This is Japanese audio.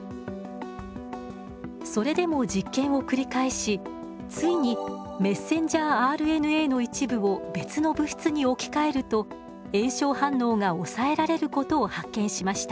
それでも実験を繰り返しついにｍＲＮＡの一部を別の物質に置き換えると炎症反応が抑えられることを発見しました。